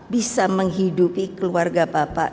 bisa menghidupi keluarga bapak